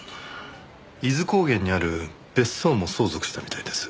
伊豆高原にある別荘も相続したみたいです。